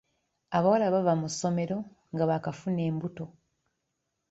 Abawala baava mu ssomero nga baakafuna embuto.